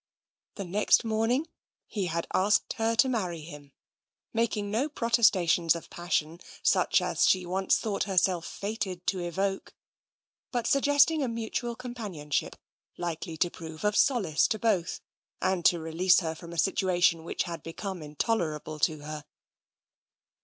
" The next morning he had asked her to marry him, making no protestations of passion such as she had once thought herself fated to evoke, but suggesting a mutual companionship, likely to prove of solace to both, and to release her from a situation which had become intolerable to her.